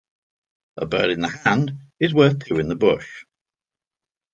A bird in the hand is worth two in the bush.